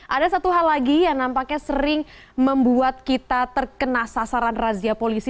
ada satu hal lagi yang nampaknya sering membuat kita terkena sasaran razia polisi